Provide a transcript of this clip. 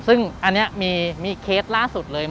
ซึ่งอันนี้มีเคสล่าสุดเลย